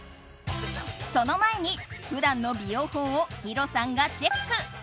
その前に、普段の美容法をヒロさんがチェック。